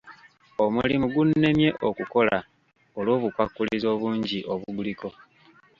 Omulimu gunnemye okukola olw'obukwakkulizo obungi obuguliko.